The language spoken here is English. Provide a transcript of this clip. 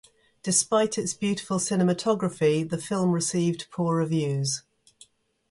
Despite its beautiful cinematography, the film received poor reviews.